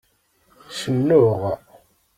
Cennuɣ.